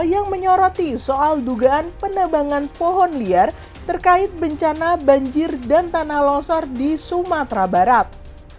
yang menyoroti soal dugaan penebangan pohon liar terkait bencana banjir dan tanah longsor di sumatera barat